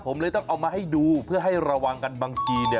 ผมเลยต้องเอามาให้ดูเพื่อให้ระวังกันบางทีเนี่ย